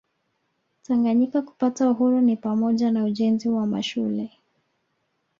Tanganyika kupata uhuru ni pamoja na ujenzi wa mashule